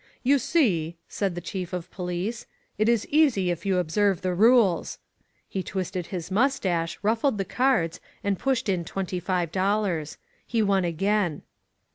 You see," said the Chief of Police, 'Ht is easy if you observe the rules." He twisted his mustache, ruf fled the cards, and pushed in twenty five dollars. He won again.